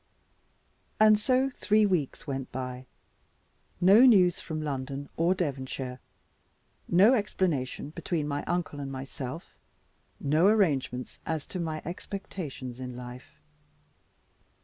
And so three weeks went by; no news from London or Devonshire, no explanation between my uncle and myself, no arrangements as to my expectations in life.